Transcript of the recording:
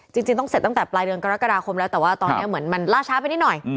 จริงต้องเสร็จตั้งแต่ปลายเดือนกรกฎาคมแล้วแต่ว่าตอนนี้เหมือนมันล่าช้าไปนิดหน่อย